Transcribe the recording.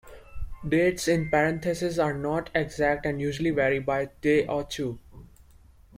Dates in parentheses are not exact and usually vary by a day or two.